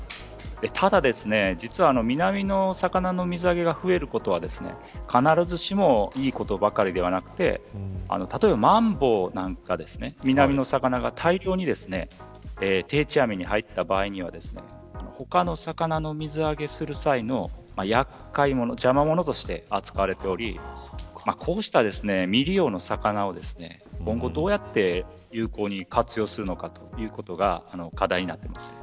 ただ、南の魚の水揚げが増えることは必ずしもいいことばかりではなくて例えば、マンボウなんかは南の魚が大量に定置網に入った場合には他の魚の水揚げする際の邪魔者として扱われておりこうした、未利用の魚を今後どうやって有効に活用するのかというのが課題になります。